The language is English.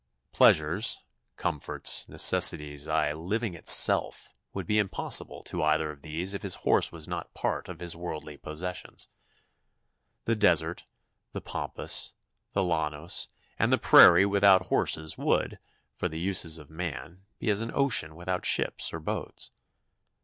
Pleasures, comforts, necessities, aye, living itself, would be impossible to either of these if his horse was not part of his worldly possessions. The desert, the pampas, the llanos, and the prairie without horses would, for the uses of man, be as an ocean without ships or boats.